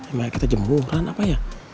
emang kita jembuhan apa ya